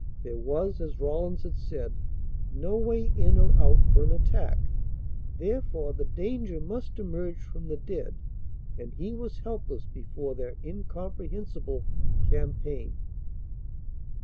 There was, as Rawlins had said, no way in or out for an attack. Therefore the danger must emerge from the dead, and he was helpless before their incomprehensible campaign.